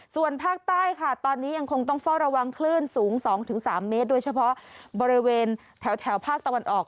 ส่วนภาคใต้ค่ะตอนนี้ยังคงต้องเฝ้าระวังคลื่นสูง๒๓เมตรโดยเฉพาะบริเวณแถวภาคตะวันออก